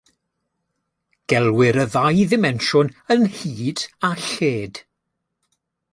Gelwir y ddau ddimensiwn yn hyd a lled.